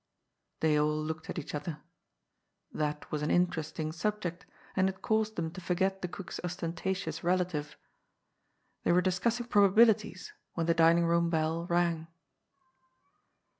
They all looked at each other. That was an interesting subject, and it caused them to forget the cook's ostentatious relative. They were discussing probabilities when the dining room bell rang.